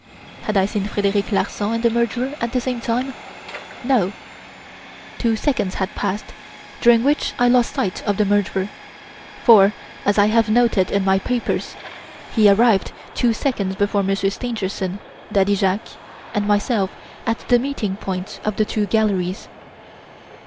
Had I seen Frederic Larsan and the murderer at the same time? No! Two seconds had passed, during which I lost sight of the murderer; for, as I have noted in my papers, he arrived two seconds before Monsieur Stangerson, Daddy Jacques, and myself at the meeting point of the two galleries.